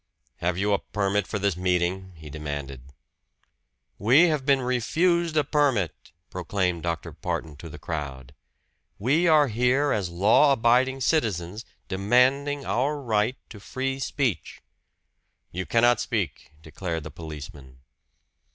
"Have you a permit for this meeting?" he demanded. "We have been refused a permit!" proclaimed Dr. Barton to the crowd. "We are here as law abiding citizens, demanding our right to free speech!" "You cannot speak," declared the policeman.